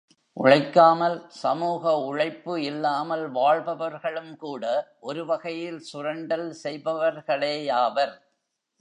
உழைக்காமல் சமூக உழைப்பு இல்லாமல் வாழ்பவர்களும்கூட ஒருவகையில் சுரண்டல் செய்பவர்களேயாவர்.